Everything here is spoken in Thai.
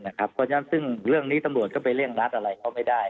เพราะฉะนั้นซึ่งเรื่องนี้ตำรวจก็ไปเร่งรัดอะไรเขาไม่ได้